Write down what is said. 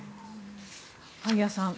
萩谷さん